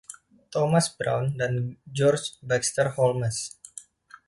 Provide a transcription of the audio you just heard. Thomas Brown dan George Baxter Holmes.